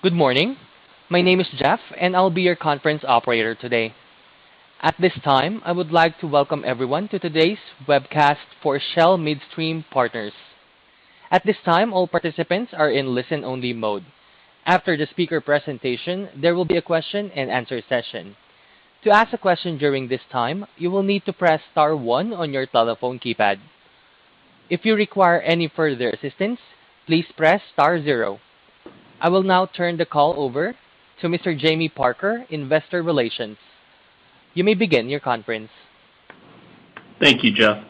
Good morning. My name is Jeff, and I'll be your conference operator today. At this time, I would like to welcome everyone to today's webcast for Shell Midstream Partners. At this time, all participants are in listen-only mode. After the speaker presentation, there will be a question-and-answer session. To ask a question during this time, you will need to press star one on your telephone keypad. If you require any further assistance, please press star zero. I will now turn the call over to Mr. Jamie Parker, Investor Relations. You may begin your conference. Thank you, Jeff.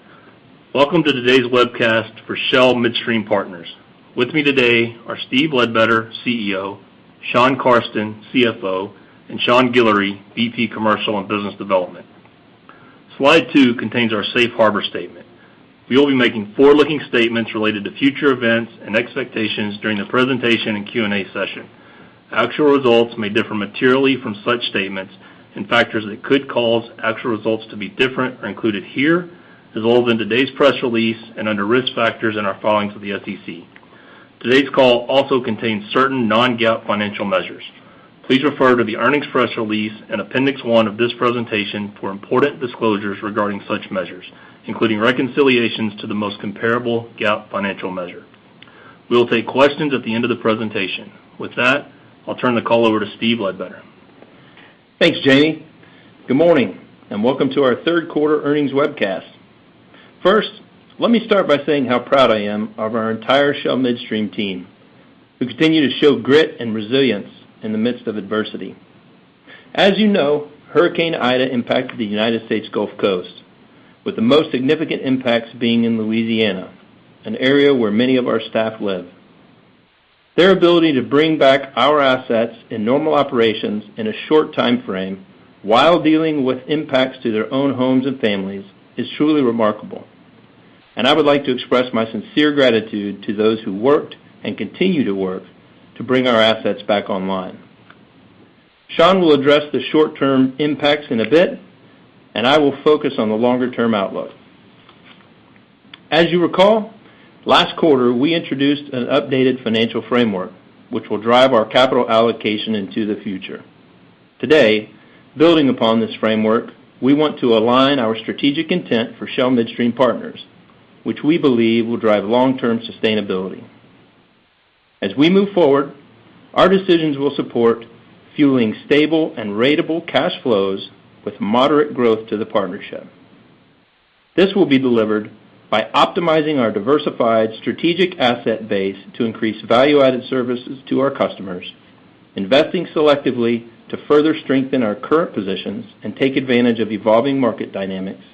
Welcome to today's webcast for Shell Midstream Partners. With me today are Steve Ledbetter, CEO, Shawn Carsten, CFO, and Sean Guillory, VP, Commercial and Business Development. Slide two contains our safe harbor statement. We will be making forward-looking statements related to future events and expectations during the presentation and Q&A session. Actual results may differ materially from such statements, and factors that could cause actual results to be different are included here, as well as in today's press release and under Risk Factors in our filings with the SEC. Today's call also contains certain non-GAAP financial measures. Please refer to the earnings press release and appendix one of this presentation for important disclosures regarding such measures, including reconciliations to the most comparable GAAP financial measure. We will take questions at the end of the presentation. With that, I'll turn the call over to Steve Ledbetter. Thanks, Jamie. Good morning, and welcome to our Q3 earnings webcast. First, let me start by saying how proud I am of our entire Shell Midstream team, who continue to show grit and resilience in the midst of adversity. As you know, Hurricane Ida impacted the United States Gulf Coast, with the most significant impacts being in Louisiana, an area where many of our staff live. Their ability to bring back our assets in normal operations in a short time frame while dealing with impacts to their own homes and families is truly remarkable, and I would like to express my sincere gratitude to those who worked and continue to work to bring our assets back online. Shawn will address the short-term impacts in a bit, and I will focus on the longer-term outlook. As you recall, last quarter, we introduced an updated financial framework, which will drive our capital allocation into the future. Today, building upon this framework, we want to align our strategic intent for Shell Midstream Partners, which we believe will drive long-term sustainability. As we move forward, our decisions will support fueling stable and ratable cash flows with moderate growth to the partnership. This will be delivered by optimizing our diversified strategic asset base to increase value-added services to our customers, investing selectively to further strengthen our current positions and take advantage of evolving market dynamics,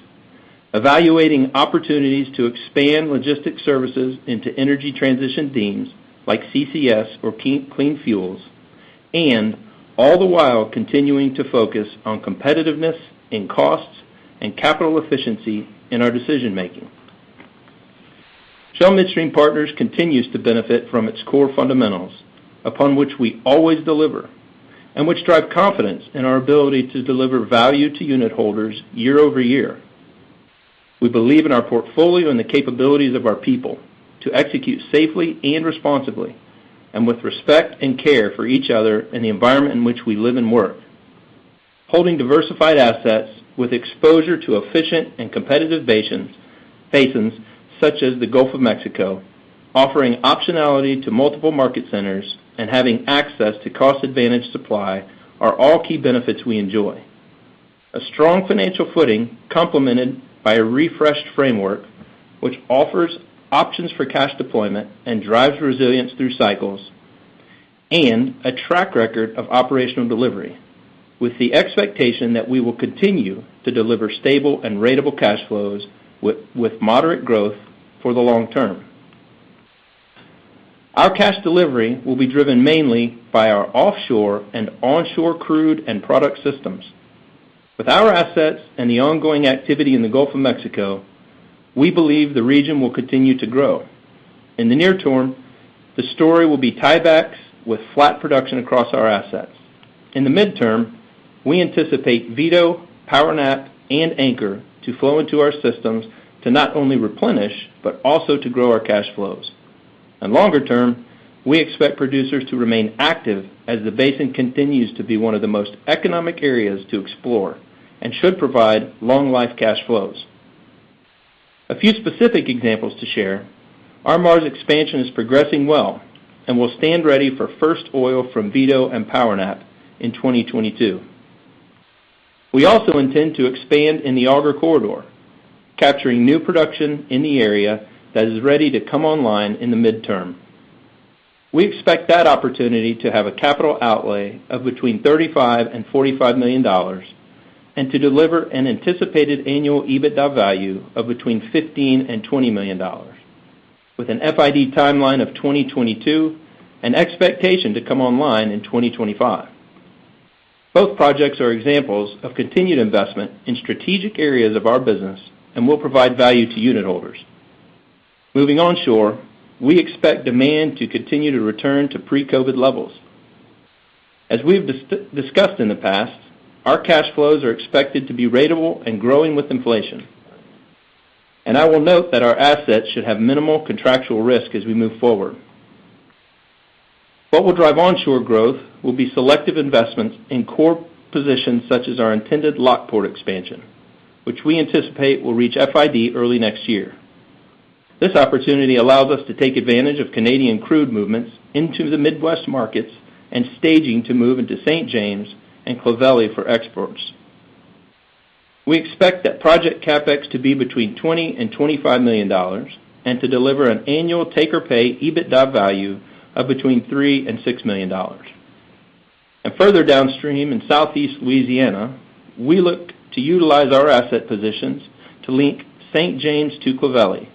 evaluating opportunities to expand logistic services into energy transition themes like CCS or clean fuels, and all the while continuing to focus on competitiveness in costs and capital efficiency in our decision-making. Shell Midstream Partners continues to benefit from its core fundamentals, upon which we always deliver and which drive confidence in our ability to deliver value to unit holders year over year. We believe in our portfolio and the capabilities of our people to execute safely and responsibly and with respect and care for each other and the environment in which we live and work. Holding diversified assets with exposure to efficient and competitive basins such as the Gulf of Mexico, offering optionality to multiple market centers and having access to cost-advantaged supply are all key benefits we enjoy. A strong financial footing complemented by a refreshed framework which offers options for cash deployment and drives resilience through cycles and a track record of operational delivery with the expectation that we will continue to deliver stable and ratable cash flows with moderate growth for the long term. Our cash delivery will be driven mainly by our offshore and onshore crude and product systems. With our assets and the ongoing activity in the Gulf of Mexico, we believe the region will continue to grow. In the near term, the story will be tiebacks with flat production across our assets. In the mid-term, we anticipate Vito, PowerNap, and Auger to flow into our systems to not only replenish but also to grow our cash flows. Longer term, we expect producers to remain active as the basin continues to be one of the most economic areas to explore and should provide long-life cash flows. A few specific examples to share. Our Mars expansion is progressing well and will stand ready for first oil from Vito and PowerNap in 2022. We also intend to expand in the Auger Corridor, capturing new production in the area that is ready to come online in the mid-term. We expect that opportunity to have a capital outlay of between $35 million and $45 million and to deliver an anticipated annual EBITDA value of between $15 million and $20 million with an FID timeline of 2022 and expectation to come online in 2025. Both projects are examples of continued investment in strategic areas of our business and will provide value to unit holders. Moving onshore, we expect demand to continue to return to pre-COVID levels. As we've discussed in the past, our cash flows are expected to be ratable and growing with inflation. I will note that our assets should have minimal contractual risk as we move forward. What will drive onshore growth will be selective investments in core positions such as our intended Lockport expansion, which we anticipate will reach FID early next year. This opportunity allows us to take advantage of Canadian crude movements into the Midwest markets and staging to move into St. James and Clovelly for exports. We expect that project CapEx to be between $20 million and $25 million and to deliver an annual take or pay EBITDA value of between $3 million and $6 million. Further downstream in Southeast Louisiana, we look to utilize our asset positions to link St. James to Clovelly,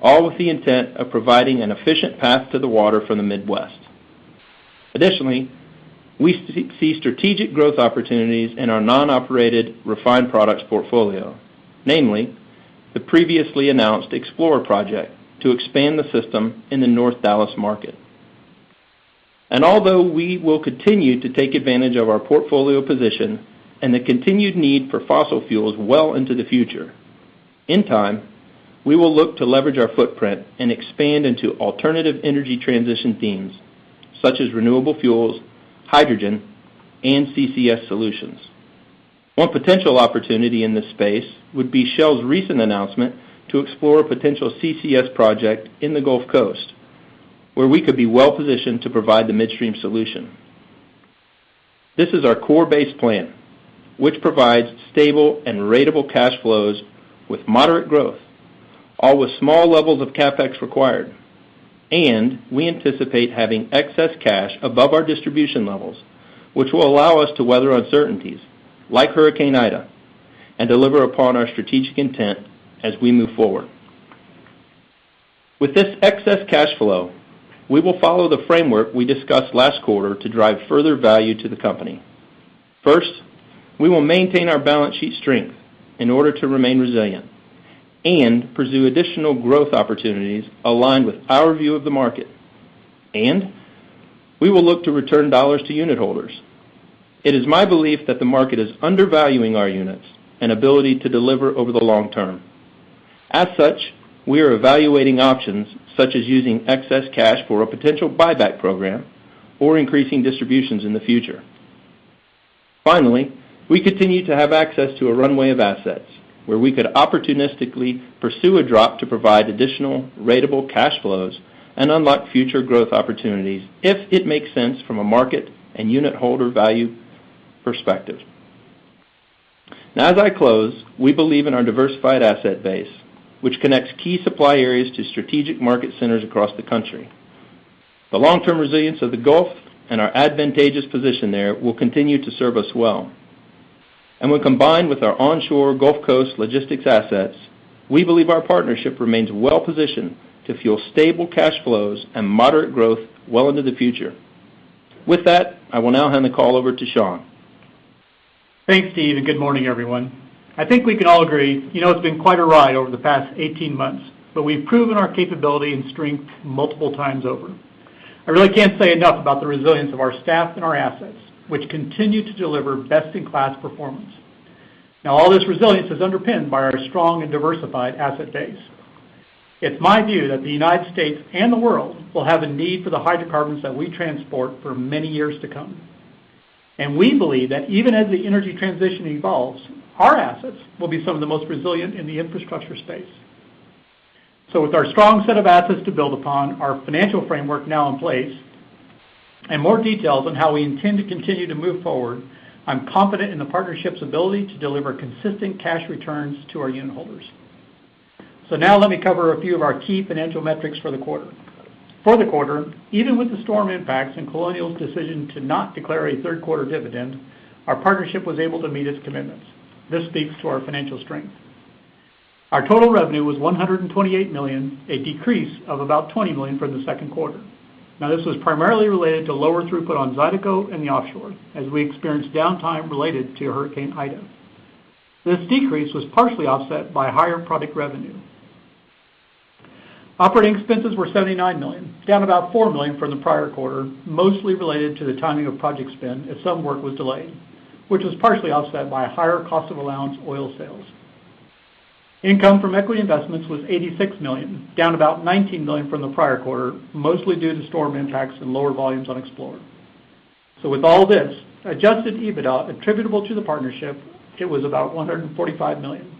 all with the intent of providing an efficient path to the water from the Midwest. Additionally, we see strategic growth opportunities in our non-operated refined products portfolio, namely the previously announced Explorer project to expand the system in the North Dallas market. Although we will continue to take advantage of our portfolio position and the continued need for fossil fuels well into the future, in time, we will look to leverage our footprint and expand into alternative energy transition themes such as renewable fuels, hydrogen, and CCS solutions. One potential opportunity in this space would be Shell's recent announcement to explore a potential CCS project in the Gulf Coast, where we could be well-positioned to provide the midstream solution. This is our core base plan, which provides stable and ratable cash flows with moderate growth, all with small levels of CapEx required and we anticipate having excess cash above our distribution levels, which will allow us to weather uncertainties like Hurricane Ida and deliver upon our strategic intent as we move forward. With this excess cash flow, we will follow the framework we discussed last quarter to drive further value to the company. First, we will maintain our balance sheet strength in order to remain resilient and pursue additional growth opportunities aligned with our view of the market and we will look to return dollars to unitholders. It is my belief that the market is undervaluing our units and ability to deliver over the long term. As such, we are evaluating options such as using excess cash for a potential buyback program or increasing distributions in the future. Finally, we continue to have access to a runway of assets where we could opportunistically pursue a drop to provide additional ratable cash flows and unlock future growth opportunities if it makes sense from a market and unitholder value perspective. Now, as I close, we believe in our diversified asset base, which connects key supply areas to strategic market centers across the country. The long-term resilience of the Gulf and our advantageous position there will continue to serve us well. When combined with our onshore Gulf Coast logistics assets, we believe our partnership remains well-positioned to fuel stable cash flows and moderate growth well into the future. With that, I will now hand the call over to Shawn. Thanks, Steve, and good morning, everyone. I think we can all agree, you know, it's been quite a ride over the past 18 months, but we've proven our capability and strength multiple times over. I really can't say enough about the resilience of our staff and our assets, which continue to deliver best-in-class performance. Now all this resilience is underpinned by our strong and diversified asset base. It's my view that the United States and the world will have a need for the hydrocarbons that we transport for many years to come. We believe that even as the energy transition evolves, our assets will be some of the most resilient in the infrastructure space. With our strong set of assets to build upon, our financial framework now in place, and more details on how we intend to continue to move forward, I'm confident in the partnership's ability to deliver consistent cash returns to our unitholders. Now let me cover a few of our key financial metrics for the quarter. For the quarter, even with the storm impacts and Colonial's decision to not declare a Q3 dividend, our partnership was able to meet its commitments. This speaks to our financial strength. Our total revenue was $128 million, a decrease of about $20 million from the Q2. Now this was primarily related to lower throughput on Zydeco and the offshore as we experienced downtime related to Hurricane Ida. This decrease was partially offset by higher product revenue. Operating expenses were $79 million, down about $4 million from the prior quarter, mostly related to the timing of project spend as some work was delayed, which was partially offset by a higher cost of allowance oil sales. Income from equity investments was $86 million, down about $19 million from the prior quarter, mostly due to storm impacts and lower volumes on Explorer. With all this, adjusted EBITDA attributable to the partnership, it was about $145 million.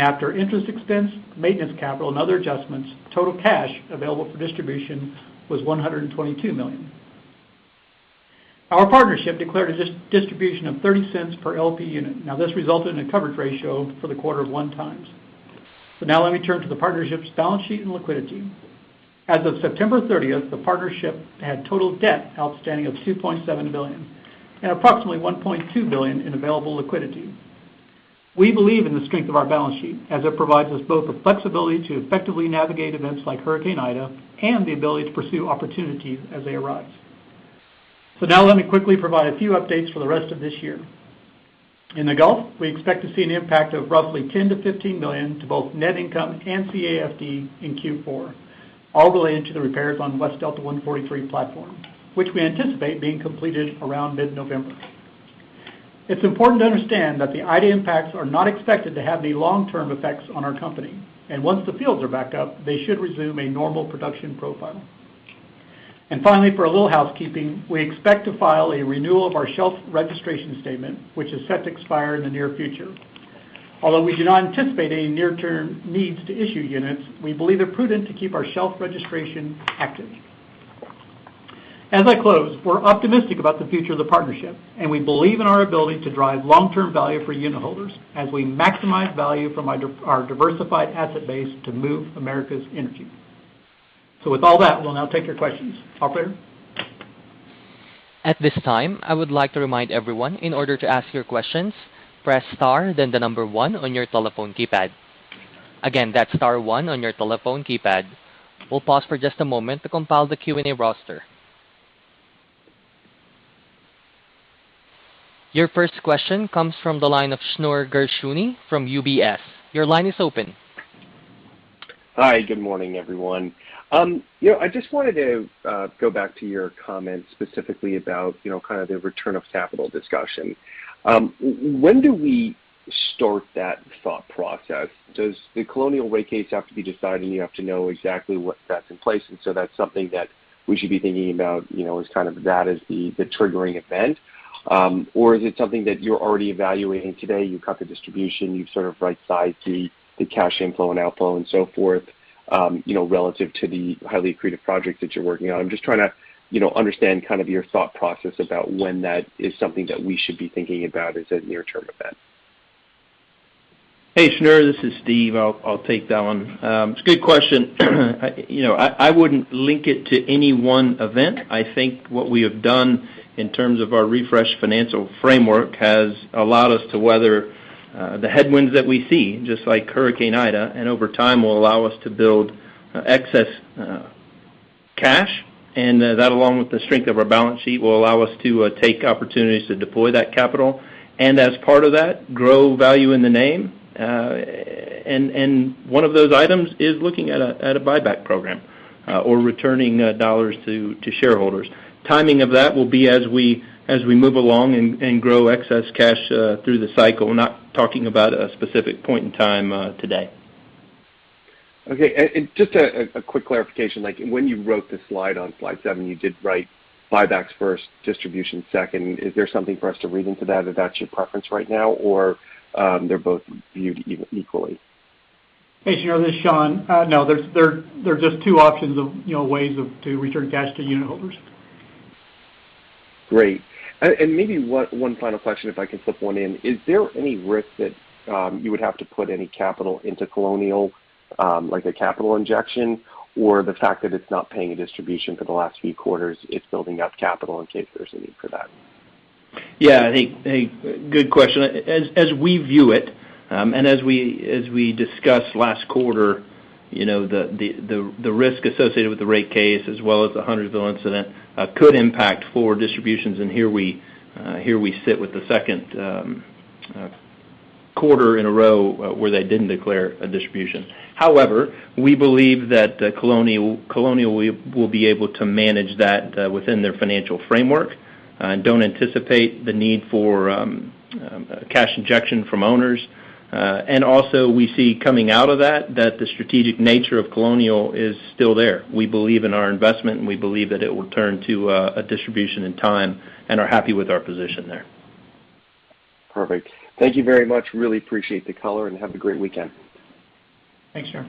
After interest expense, maintenance capital, and other adjustments, total cash available for distribution was $122 million. Our partnership declared a distribution of $0.30 per LP unit. Now this resulted in a coverage ratio for the quarter of 1x. Now let me turn to the partnership's balance sheet and liquidity. As of September 30th, the partnership had total debt outstanding of $2.7 billion and approximately $1.2 billion in available liquidity. We believe in the strength of our balance sheet as it provides us both the flexibility to effectively navigate events like Hurricane Ida and the ability to pursue opportunities as they arise. Now let me quickly provide a few updates for the rest of this year. In the Gulf, we expect to see an impact of roughly $10 million-$15 million to both net income and CAFD in Q4, all relating to the repairs on West Delta 143 platform, which we anticipate being completed around mid-November. It's important to understand that the Ida impacts are not expected to have any long-term effects on our company, and once the fields are back up, they should resume a normal production profile. Finally, for a little housekeeping, we expect to file a renewal of our shelf registration statement, which is set to expire in the near future. Although we do not anticipate any near-term needs to issue units, we believe they're prudent to keep our shelf registration active. As I close, we're optimistic about the future of the partnership, and we believe in our ability to drive long-term value for unitholders as we maximize value from our diversified asset base to move America's energy. With all that, we'll now take your questions. Operator? At this time, I would like to remind everyone, in order to ask your questions, press star, then the number one on your telephone keypad. Again, that's star one on your telephone keypad. We'll pause for just a moment to compile the Q&A roster. Your first question comes from the line of Shneur Gershuni from UBS. Your line is open. Hi, good morning, everyone. You know, I just wanted to go back to your comments specifically about, you know, kind of the return of capital discussion. When do we start that thought process? Does the Colonial rate case have to be decided, and you have to know exactly what that's in place, and so that's something that we should be thinking about, you know, as kind of that as the triggering event or is it something that you're already evaluating today? You cut the distribution, you've sort of right-sized the cash inflow and outflow and so forth, you know, relative to the highly accretive projects that you're working on. I'm just trying to, you know, understand kind of your thought process about when that is something that we should be thinking about as a near-term event. Hey, Shneur, this is Steve. I'll take that one. It's a good question. You know, I wouldn't link it to any one event. I think what we have done in terms of our refreshed financial framework has allowed us to weather the headwinds that we see, just like Hurricane Ida, and over time will allow us to build excess cash. That along with the strength of our balance sheet will allow us to take opportunities to deploy that capital and as part of that, grow value in the name. One of those items is looking at a buyback program or returning dollars to shareholders. Timing of that will be as we move along and grow excess cash through the cycle. We're not talking about a specific point in time, today. Okay. Just a quick clarification. Like, when you wrote this slide on slide seven, you did write buybacks first, distribution second. Is there something for us to read into that, if that's your preference right now, or they're both viewed equally? Hey, Shneur, this is Shawn. They're just two options, you know, ways to return cash to unitholders. Great. Maybe one final question if I can slip one in. Is there any risk that you would have to put any capital into Colonial, like a capital injection or the fact that it's not paying a distribution for the last few quarters, it's building up capital in case there's a need for that? Yeah. Hey, hey. Good question. As we view it, and as we discussed last quarter, you know, the risk associated with the rate case as well as the Huntersville incident could impact four distributions, and here we sit with the Q2 in a row where they didn't declare a distribution. However, we believe that Colonial will be able to manage that within their financial framework, and don't anticipate the need for cash injection from owners. Also we see coming out of that the strategic nature of Colonial is still there. We believe in our investment, and we believe that it will turn to a distribution in time and are happy with our position there. Perfect. Thank you very much. Really appreciate the color, and have a great weekend. Thanks, Shneur.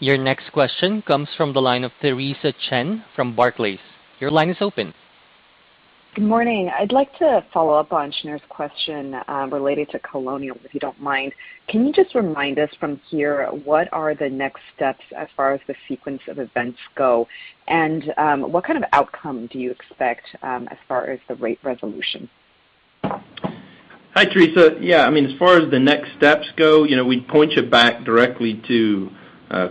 Your next question comes from the line of Theresa Chen from Barclays. Your line is open. Good morning. I'd like to follow up on Shneur's question, related to Colonial, if you don't mind. Can you just remind us from here what are the next steps as far as the sequence of events go? What kind of outcome do you expect, as far as the rate resolution? Hi, Theresa. Yeah. I mean, as far as the next steps go, you know, we'd point you back directly to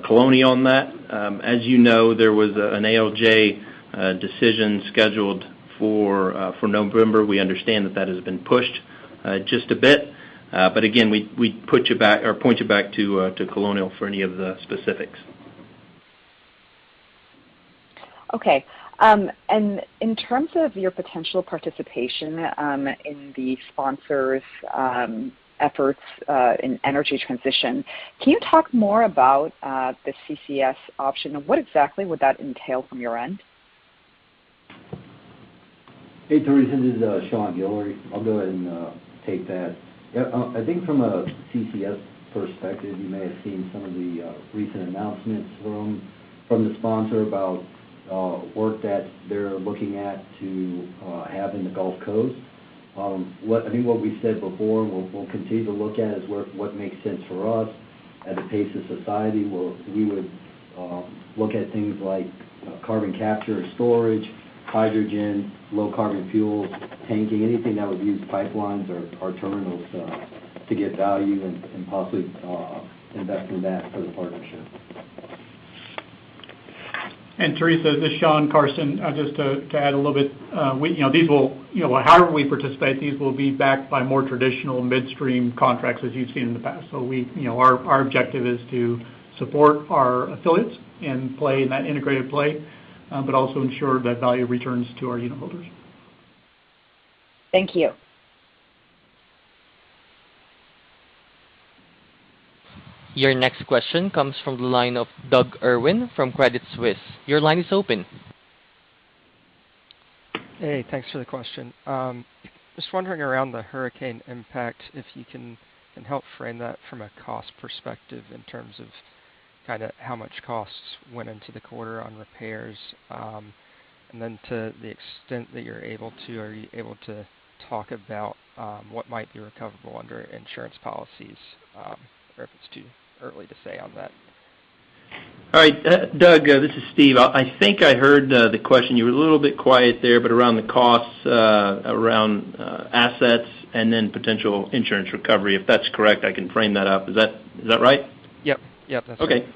Colonial on that. As you know, there was an ALJ decision scheduled for November. We understand that has been pushed just a bit. Again, we put you back or point you back to Colonial for any of the specifics. Okay. In terms of your potential participation in the sponsors efforts in energy transition, can you talk more about the CCS option? What exactly would that entail from your end? Hey, Theresa, this is Sean Guillory. I'll go ahead and take that. Yeah, I think from a CCS perspective, you may have seen some of the recent announcements from the sponsor about work that they're looking at to have in the Gulf Coast. I think what we said before, we'll continue to look at is what makes sense for us at the pace of society. We would look at things like carbon capture and storage, hydrogen, low carbon fuels, tanking, anything that would use pipelines or terminals to get value and possibly invest in that for the partnership. Theresa, this is Shawn Carsten. Just to add a little bit. You know, however we participate, these will be backed by more traditional midstream contracts as you've seen in the past. You know, our objective is to support our affiliates and play in that integrated play, but also ensure that value returns to our unitholders. Thank you. Your next question comes from the line of Doug Irwin from Credit Suisse. Your line is open. Hey, thanks for the question. Just wondering about the hurricane impact, if you can help frame that from a cost perspective in terms of kinda how much costs went into the quarter on repairs To the extent that you're able to, are you able to talk about what might be recoverable under insurance policies, or if it's too early to say on that? All right. Doug, this is Steve. I think I heard the question. You were a little bit quiet there, but around the costs around assets and then potential insurance recovery. If that's correct, I can frame that up. Is that right? Yep. Yep, that's right. Okay.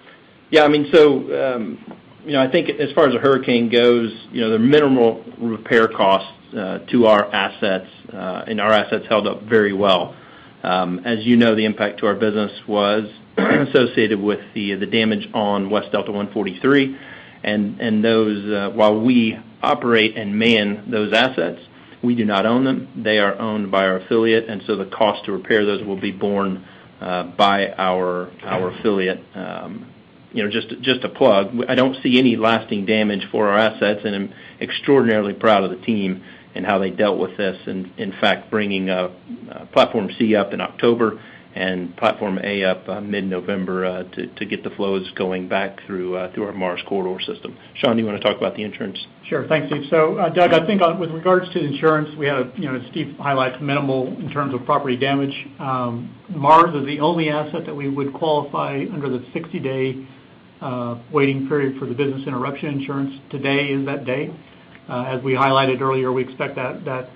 Yeah, I mean, you know, I think as far as the hurricane goes, you know, there are minimal repair costs to our assets, and our assets held up very well. As you know, the impact to our business was associated with the damage on West Delta 143 and those, while we operate and man those assets, we do not own them. They are owned by our affiliate, and so the cost to repair those will be borne by our affiliate. You know, just a plug, I don't see any lasting damage for our assets, and I'm extraordinarily proud of the team and how they dealt with this. In fact, bringing platform C up in October and platform A up mid-November to get the flows going back through our Mars Corridor system. Shawn, do you wanna talk about the insurance? Sure. Thanks, Steve. Doug, I think with regards to insurance, we had, you know, as Steve highlights, minimal in terms of property damage. Mars is the only asset that we would qualify under the 60-day waiting period for the business interruption insurance. Today is that day. As we highlighted earlier, we expect that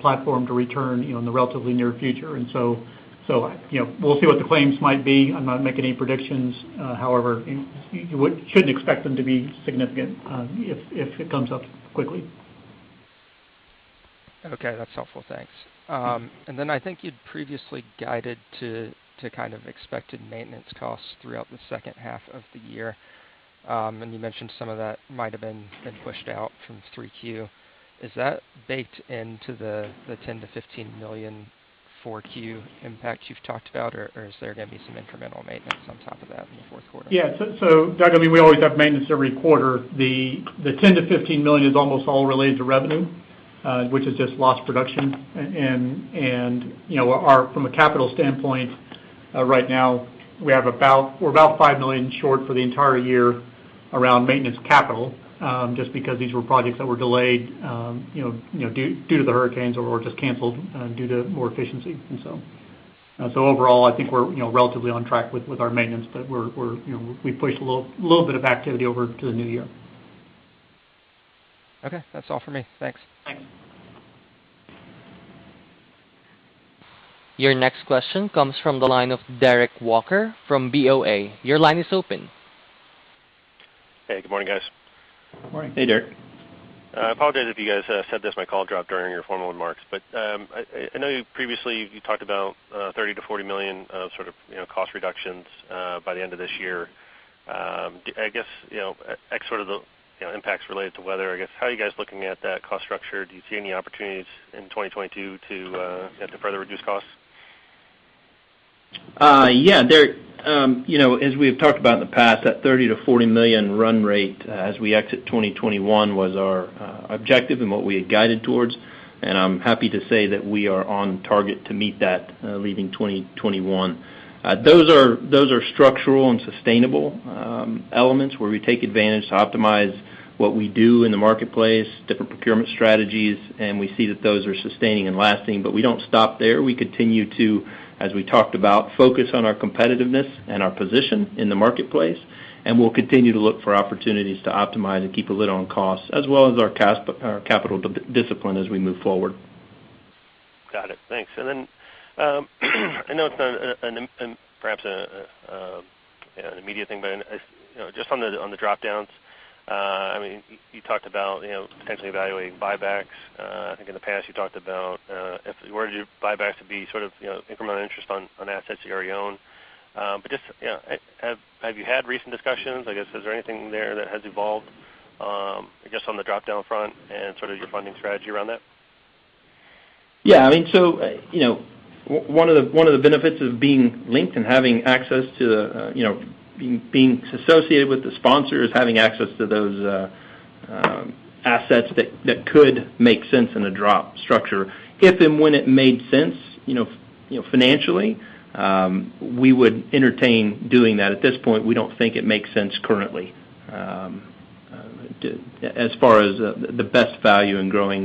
platform to return, you know, in the relatively near future. You know, we'll see what the claims might be. I'm not making any predictions. However, you shouldn't expect them to be significant, if it comes up quickly. Okay. That's helpful. Thanks. I think you'd previously guided to kind of expected maintenance costs throughout the H2 of the year. You mentioned some of that might've been pushed out from Q3. Is that baked into the $10 million-$15 million Q4 impact you've talked about, or is there gonna be some incremental maintenance on top of that in the Q4? Yeah. Doug, I mean, we always have maintenance every quarter. The $10 million-$15 million is almost all related to revenue, which is just lost production. You know, from a capital standpoint, right now we're about $5 million short for the entire year around maintenance capital, just because these were projects that were delayed, you know, due to the hurricanes or just canceled due to more efficiency. Overall, I think we're, you know, relatively on track with our maintenance, but we're, you know, we've pushed a little bit of activity over to the new year. Okay. That's all for me. Thanks. Thanks. Your next question comes from the line of Derek Walker from BofA. Your line is open. Hey, good morning, guys. Good morning. Hey, Derek. I apologize if you guys said this, my call dropped during your formal remarks. I know you previously talked about $30 million-$40 million of sort of, you know, cost reductions by the end of this year. I guess, you know, ex sort of the, you know, impacts related to weather, I guess, how are you guys looking at that cost structure? Do you see any opportunities in 2022 to, you know, to further reduce costs? Yeah, Derek. You know, as we've talked about in the past, that $30 million-$40 million run rate as we exit 2021 was our objective and what we had guided towards. I'm happy to say that we are on target to meet that leaving 2021. Those are structural and sustainable elements where we take advantage to optimize what we do in the marketplace, different procurement strategies, and we see that those are sustaining and lasting. We don't stop there. We continue to, as we talked about, focus on our competitiveness and our position in the marketplace, and we'll continue to look for opportunities to optimize and keep a lid on costs, as well as our capital discipline as we move forward. Got it. Thanks. I know it's not perhaps an immediate thing, but you know, just on the drop downs, I mean, you talked about you know, potentially evaluating buybacks. I think in the past you talked about were your buybacks to be sort of you know, incremental interest on assets you already own. Just you know, have you had recent discussions? I guess, is there anything there that has evolved, I guess, on the drop down front and sort of your funding strategy around that? I mean, one of the benefits of being linked and having access to being associated with the sponsor is having access to those assets that could make sense in a drop structure. If and when it made sense, you know, financially, we would entertain doing that. At this point, we don't think it makes sense currently as far as the best value in growing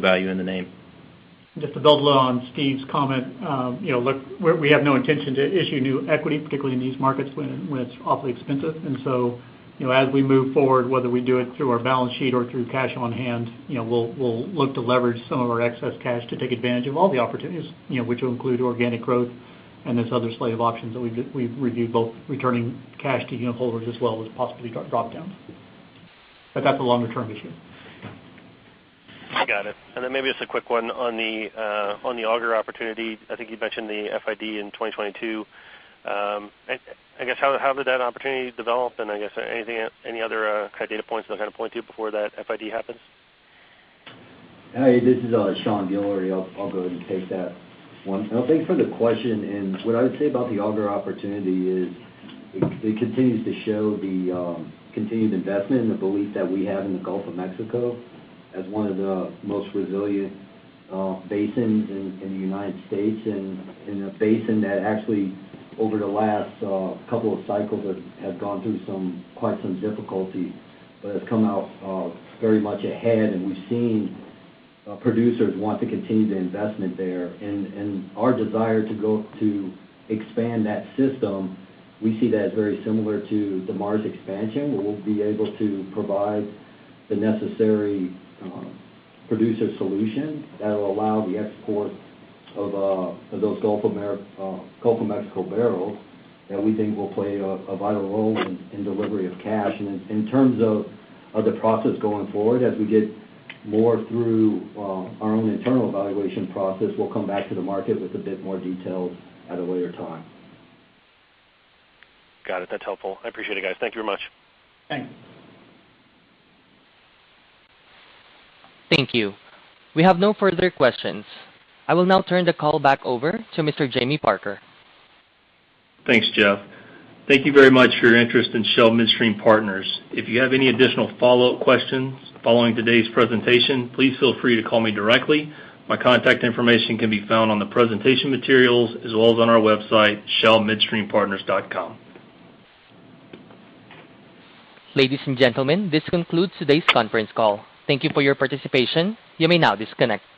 value in the name. Just to build on Steve's comment, you know, look, we have no intention to issue new equity, particularly in these markets when it's awfully expensive. You know, as we move forward, whether we do it through our balance sheet or through cash on hand, you know, we'll look to leverage some of our excess cash to take advantage of all the opportunities, you know, which will include organic growth and this other slate of options that we've reviewed, both returning cash to unitholders as well as possibly drop downs. That's a longer term issue. I got it. Maybe just a quick one on the Auger opportunity. I think you mentioned the FID in 2022. I guess how did that opportunity develop? I guess any other kind of data points that I can point to before that FID happens? Hey, this is Sean Guillory. I'll go ahead and take that one. No, thanks for the question. What I would say about the Auger opportunity is it continues to show the continued investment and the belief that we have in the Gulf of Mexico as one of the most resilient basins in the United States and a basin that actually over the last couple of cycles has gone through quite some difficulty, but has come out very much ahead. We've seen producers want to continue the investment there. Our desire to go to expand that system, we see that as very similar to the Mars expansion, where we'll be able to provide the necessary producer solution that'll allow the export of those Gulf of Mexico barrels that we think will play a vital role in delivery of cash. In terms of the process going forward, as we get more through our own internal evaluation process, we'll come back to the market with a bit more details at a later time. Got it. That's helpful. I appreciate it, guys. Thank you very much. Thanks. Thank you. We have no further questions. I will now turn the call back over to Mr. Jamie Parker. Thanks, Jeff. Thank you very much for your interest in Shell Midstream Partners. If you have any additional follow-up questions following today's presentation, please feel free to call me directly. My contact information can be found on the presentation materials as well as on our website, shellmidstreampartners.com. Ladies and gentlemen, this concludes today's conference call. Thank you for your participation. You may now disconnect.